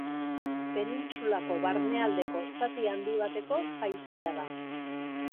Penintsulako barnealdeko zati handi bateko paisaia da.